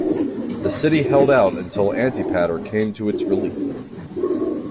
The city held out until Antipater came to its relief.